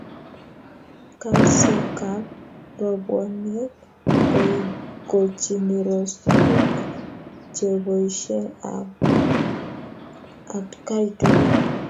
kolsekab robwoniek koikochini Rose tuguk cheboisien atkai tugul